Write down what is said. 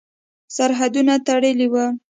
سرحدونه تړلي ول.